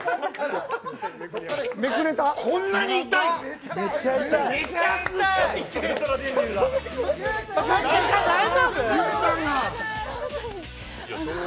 こんなに痛いの！？